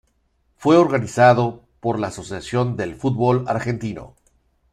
Fue organizado por la Asociación del Fútbol Argentino.